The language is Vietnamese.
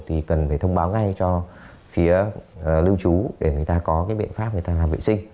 thì cần phải thông báo ngay cho phía lưu trú để người ta có cái biện pháp người ta làm vệ sinh